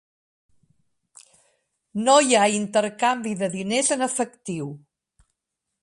No hi ha intercanvi de diners en efectiu.